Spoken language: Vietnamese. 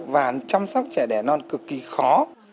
và chăm sóc trẻ đẻ non cực kỳ khó